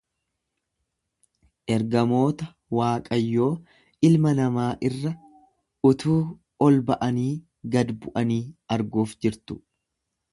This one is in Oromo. Ergamoota Waaqayyoo ilma namaa irra utuu ol ba'anii gad bu'anii arguuf jirtu.